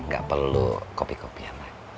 gak perlu kopi kopian